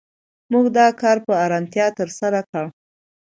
موږ دا کار په آرامتیا تر سره کړ.